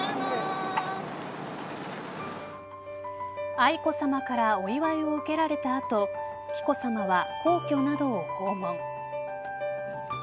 愛子さまからお祝いを受けられた後紀子さまは、皇居などを訪問。